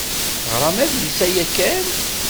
Teɣṛam adlis-a yakan?